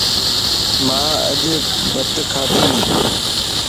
مان اڃ بت کادينيَ